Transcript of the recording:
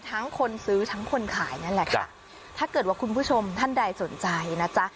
ทั้งคนซื้อทั้งคนขายนั่นแหละค่ะถ้าเกิดว่าคุณผู้ชมท่านใดสนใจนะจ๊ะ